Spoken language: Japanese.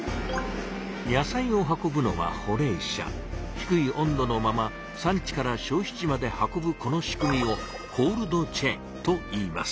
低い温度のまま産地から消費地まで運ぶこの仕組みを「コールドチェーン」と言います。